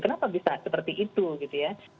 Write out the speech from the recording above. kenapa bisa seperti itu gitu ya